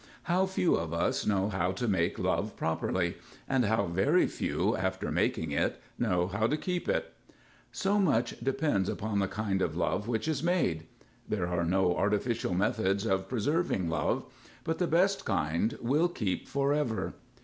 _ How few of us know how to make love properly, and how very few, after making it, know how to keep it! _So much depends upon the kind of love which is made. There are no artificial methods of preserving love, but the best kind will keep forever.